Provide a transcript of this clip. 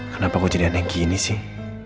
kenapa kok jadi aneh gini sih